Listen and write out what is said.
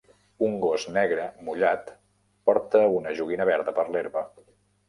Un gos negre mullat porta una joguina verda per l'herba